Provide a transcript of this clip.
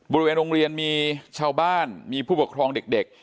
บริเวณโรงเรียนมีชาวบ้านมีผู้ปกครองเด็ก